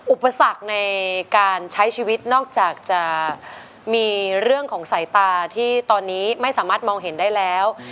อุปสรรคในการใช้ชีวิตนอกจากจะมีเรื่องของสายตาที่ตอนนี้ไม่สามารถมองเห็นได้แล้ว